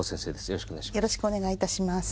よろしくお願いします。